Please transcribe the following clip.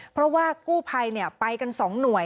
เพราะว่ากู้ภัยไปกัน๒หน่วย